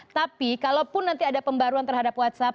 tapi kalaupun nanti ada pembaruan terhadap whatsapp